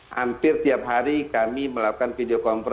hampir tiap hari kami melakukan video confer